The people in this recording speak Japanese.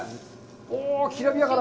おぉ、きらびやかだ！